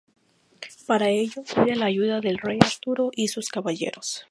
Para ello, pide la ayuda del rey Arturo y sus caballeros.